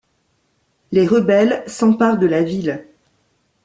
Les rebelles s'emparent de la ville.